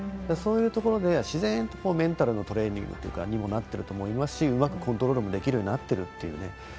そういうところで、自然とメンタルのトレーニングにもなってると思いますしうまくコントロールもできるようになってるというね。